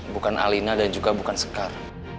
bukan alina dan juga bukan sekar